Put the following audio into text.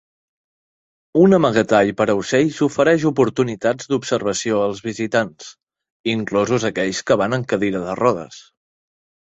Un amagatall per a ocells ofereix oportunitats d'observació als visitants, inclosos aquells que van en cadira de rodes.